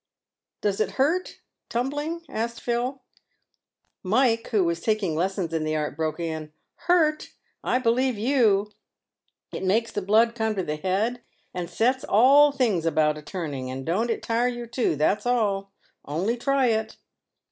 " Does it hurt, tumbling ?" asked Phil. Mike, who was taking lessons in the art, broke in, " Hurt ! I be lieve you. It makes the blood come to the head and sets all the things about a turning. And don't it tire you too, that's all. Only try it."